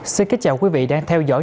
xin kính chào quý vị đang theo dõi